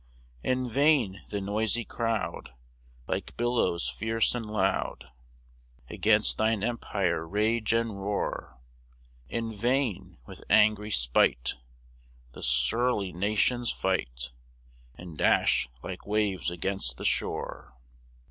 3 In vain the noisy crowd, Like billows fierce and loud, Against thine empire rage and roar; In vain, with angry spite, The surly nations fight, And dash like waves against the shore.